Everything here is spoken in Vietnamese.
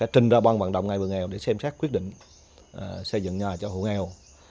tình ra ban vận động ngày vừa nghèo để xem xét quyết định xây dựng nhà cho hộ nghèo